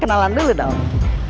kenalan dulu dong